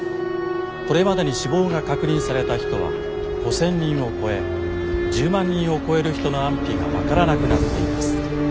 これまでに死亡が確認された人は５，０００人を超え１０万人を超える人の安否が分からなくなっています。